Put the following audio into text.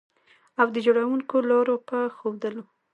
او د جوړوونکو لارو په ښودلو